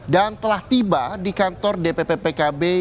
dan telah tiba di kantor dppkb